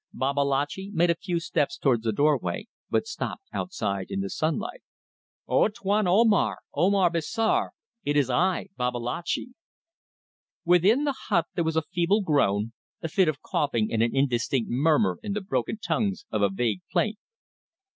Babalatchi made a few steps towards the doorway, but stopped outside in the sunlight. "O! Tuan Omar, Omar besar! It is I Babalatchi!" Within the hut there was a feeble groan, a fit of coughing and an indistinct murmur in the broken tones of a vague plaint.